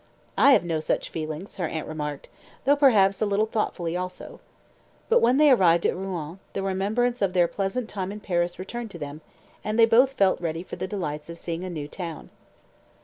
"I have no such feelings," her aunt remarked, though, perhaps, a little thoughtfully also. But when they arrived at Rouen, the remembrance of their pleasant time in Paris returned to them, and they both felt ready for the delights of seeing a new town.